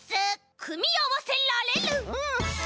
「くみあわせられる」！